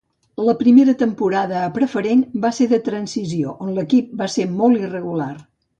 La primera temporada a Preferent va ser de transició, on l'equip va ser molt irregular.